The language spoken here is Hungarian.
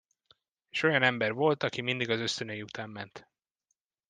És olyan ember volt, aki mindig az ösztönei után ment.